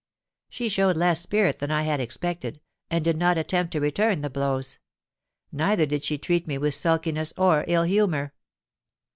She showed less spirit than I had expected, and did not attempt to return the blows; neither did she treat me with sulkiness or ill humour.